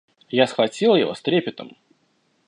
Я схватил его с трепетом.